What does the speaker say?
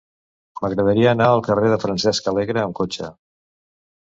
M'agradaria anar al carrer de Francesc Alegre amb cotxe.